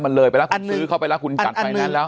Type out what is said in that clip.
มันเลยไปแล้วคุณซื้อเข้าไปแล้วคุณกัดไป